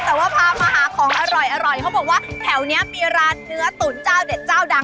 แต่ว่าพามาหาของอร่อยเขาบอกว่าแถวนี้มีร้านเนื้อตุ๋นเจ้าเด็ดเจ้าดัง